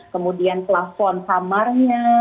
kemudian plafon kamarnya